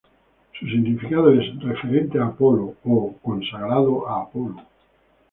Su significado es "referente a Apolo" o "consagrado a Apolo".